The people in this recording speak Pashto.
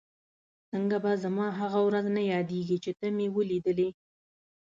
څنګه به زما هغه ورځ نه یادېږي چې ته مې ولیدلې؟